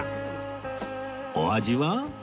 お味は？